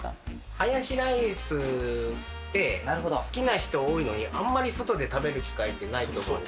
ハヤシライスって好きな人多いのに、あんまり外で食べる機会ってないと思うんです。